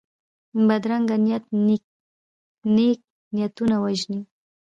بدرنګه نیت نېک نیتونه وژني